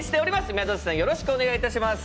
宮舘さん、よろしくお願いします。